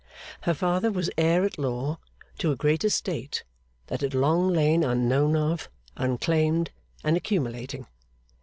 Her father was heir at law to a great estate that had long lain unknown of, unclaimed, and accumulating.